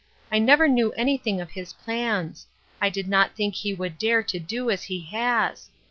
I never knew anything of his plans ; I did not think he would dare to do as he has.